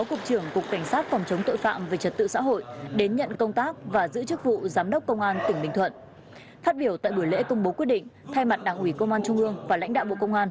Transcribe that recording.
của bộ trưởng bộ công an về công tác cán bộ